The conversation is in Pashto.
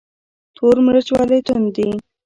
تور مرچ ولې توند دي؟